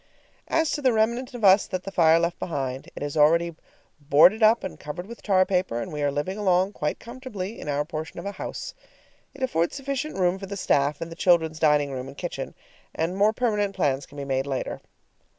As to the remnant of us that the fire left behind, it is already boarded up and covered with tar paper, and we are living along quite comfortably in our portion of a house. It affords sufficient room for the staff and the children's dining room and kitchen, and more permanent plans can be made later.